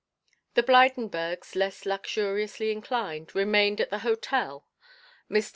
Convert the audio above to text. The Blydenburgs, less luxuriously inclined, remained at the hotel. Mr.